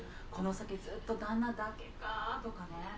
この先ずと旦那だけかとかね。